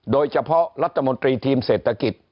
โดยเฉพาะรัฐมนตรีทีมเศรษฐกิจ